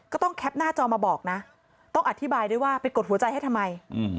แคปหน้าจอมาบอกนะต้องอธิบายด้วยว่าไปกดหัวใจให้ทำไม